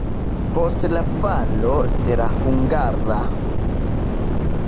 Post la falo de la Hungara Sovetrespubliko li elmigris Vienon.